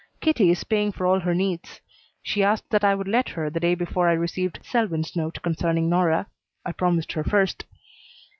Kitty is paying for all her needs. She asked that I would let her the day before I received Selwyn's note concerning Nora. I promised her first.